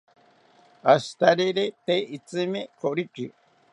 Ashitariri tee itrsimi koriki